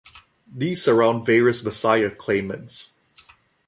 These surround various Messiah claimants.